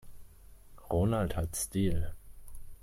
Ronald hat Stil.